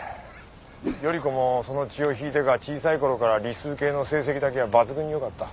依子もその血を引いてか小さいころから理数系の成績だけは抜群に良かった。